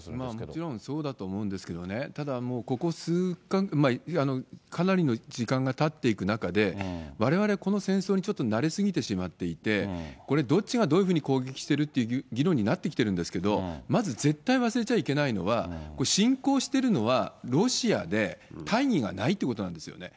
もちろん、そうだと思うんですけどね、ただもう、ここ、かなりの時間がたっていく中で、われわれ、この戦争にちょっと慣れ過ぎてしまっていて、これどっちがどういうふうに攻撃してるっていう議論になってきてるんですけど、まず絶対忘れちゃいけないのは、侵攻しているのはロシアで、大義がないってことなんですよね。